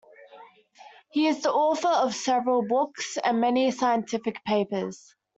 He is the author of several books, and many scientific papers.